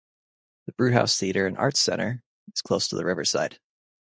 The Brewhouse Theatre and Arts Centre, is close to the riverside.